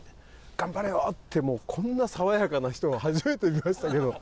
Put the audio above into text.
「頑張れよ！」ってもうこんな爽やかな人は初めて見ましたけど。